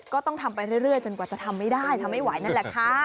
ก็ต้องทำไปเรื่อยจนกว่าจะทำไม่ได้ทำไม่ไหวนั่นแหละค่ะ